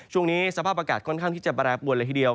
ช่วงนี้สภาพอากาศค่อนข้างที่จะแปรปวนเลยทีเดียว